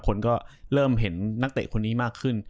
คนก็เริ่มเห็นนักเตะคนนี้มากขึ้น